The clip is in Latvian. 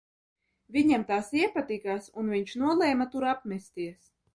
Viņam tās iepatikās un viņš nolēma tur apmesties.